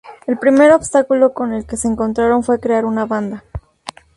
El primer obstáculo con el que se encontraron fue crear una banda.